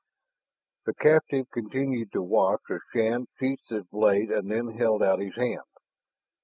The captive continued to watch as Shann sheathed his blade and then held out his hand.